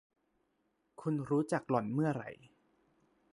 คุณรู้จักหล่อน เมื่อไหร่ ?